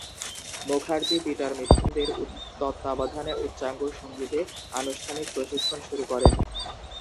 Mukherjee Peter Mithun দে’র তত্ত্বাবধানে উচ্চাঙ্গ সঙ্গীতে আনুষ্ঠানিক প্রশিক্ষণ শুরু করেন।